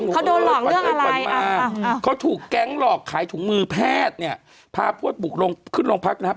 เขาโดนหลอกขวัญไปขวัญมาเขาถูกแก๊งหลอกขายถุงมือแพทย์เนี่ยพาพวกบุกลงขึ้นโรงพักนะครับ